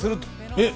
えっ！